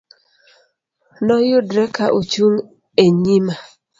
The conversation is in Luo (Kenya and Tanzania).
Noyudre ka Ochung' e nyima.